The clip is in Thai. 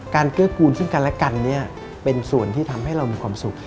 เกื้อกูลซึ่งกันและกันเนี่ยเป็นส่วนที่ทำให้เรามีความสุข